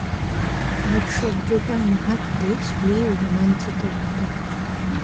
Art শব্দটার মাহাত্ম্যে শরীর রোমাঞ্চিত হত।